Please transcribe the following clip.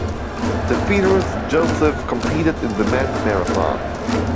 Zepherinus Joseph competed in the men's marathon.